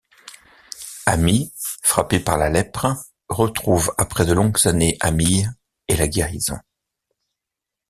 Ami, frappé par la lèpre, retrouve après de longues années Amile et la guérison.